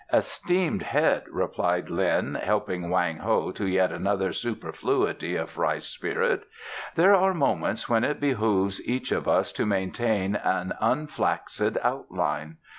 "Esteemed head," replied Lin, helping Wang Ho to yet another superfluity of rice spirit, "there are moments when it behoves each of us to maintain an unflaccid outline.